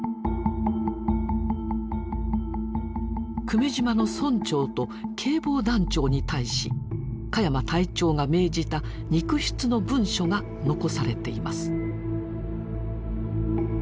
久米島の村長と警防団長に対し鹿山隊長が命じた肉筆の文書が残されています。